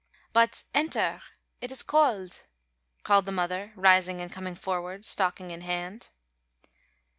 "But enter it is cold," called the mother, rising and coming forward, stocking in hand.